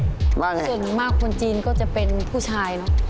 ส่วนมากคนจีนก็จะเป็นผู้ชายเนอะ